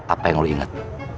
apa yang lu inget